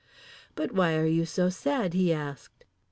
"But why are you so sad?" he asked.